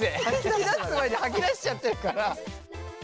聞き出す前に吐き出しちゃってるから。